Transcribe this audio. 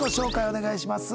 お願いします。